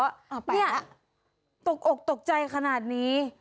เนี่ยตกอกตกใจขนาดนี้